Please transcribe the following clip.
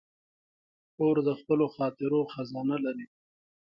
خور د خپلو خاطرو خزانه لري.